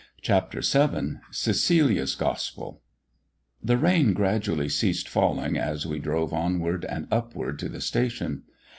CHAPTER VII CECILIA'S GOSPEL The rain gradually ceased falling as we drove onward and upward to the station.